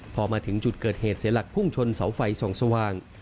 พอมาถึงจุดเกิดเหตุเสียหลักพุ่งชนเสาไฟส่องสว่าง